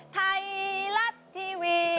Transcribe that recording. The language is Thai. ๓๒ไทรัตทีวี